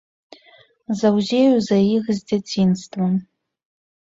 Заўзею за іх з дзяцінства.